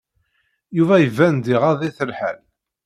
Yuba iban-d iɣaḍ-it lḥal.